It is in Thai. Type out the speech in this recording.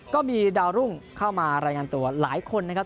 ก็มีดาวรุ่งเข้ามารายงานตัวหลายคนนะครับ